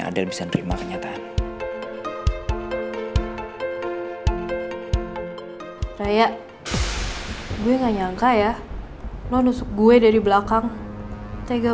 ada yang bisa terima kenyataan saya gue gak nyangka ya lo nusuk gue dari belakang cegah